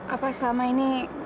apa selama ini